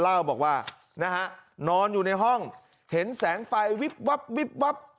เล่าบอกว่านะฮะนอนอยู่ในห้องเห็นแสงไฟวิบวับวิบวับ